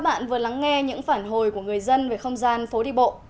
quý vị và các bạn vừa lắng nghe những phản hồi của người dân về không gian phố đi bộ